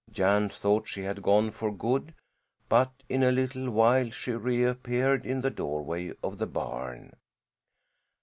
Jan thought she had gone for good, but in a little while she reappeared in the doorway of the barn.